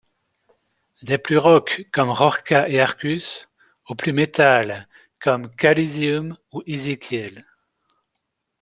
Des plus rocks comme Rorcha et Arcus aux plus metals comme K-Lizeüm ou Ezekhiel.